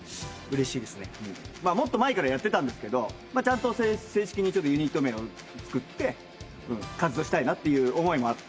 もっと前からやってたんですけどちゃんと正式にユニット名を作って活動したいなって思いもあって。